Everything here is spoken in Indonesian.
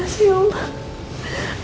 terima kasih allah